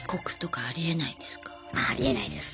ああありえないですね。